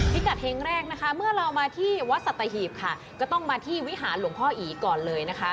พิกัดเฮงแรกนะคะเมื่อเรามาที่วัดสัตหีบค่ะก็ต้องมาที่วิหารหลวงพ่ออีก่อนเลยนะคะ